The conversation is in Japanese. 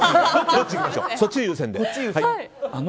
そっち優先で。